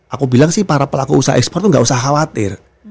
aku bilang sih para pelaku usaha ekspor itu gak usah khawatir